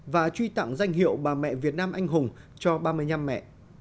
và truy tặng danh hiệu bà mẹ việt nam anh hùng cho ba mươi năm mẹ